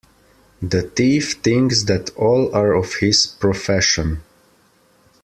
The thief thinks that all are of his profession.